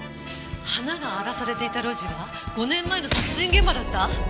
花が荒らされていた路地は５年前の殺人現場だった。